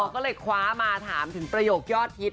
ก็เลยคว้ามาถามถึงประโยคยอดฮิต